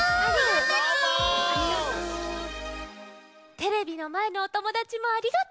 テレビのまえのおともだちもありがとう。